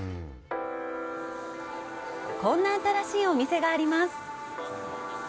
こんな新しいお店があります。